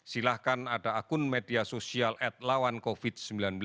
silahkan ada akun media sosial at lawan covid sembilan belas